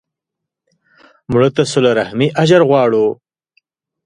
مړه ته د صله رحمي اجر غواړو